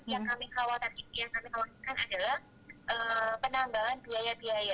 yang kami khawatirkan adalah penambahan biaya biaya